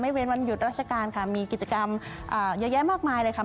เว้นวันหยุดราชการค่ะมีกิจกรรมเยอะแยะมากมายเลยค่ะ